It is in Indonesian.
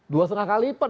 dua setengah kali lipat